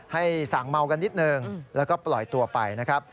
สั่งเมากันนิดนึงแล้วก็ปล่อยตัวไปนะครับ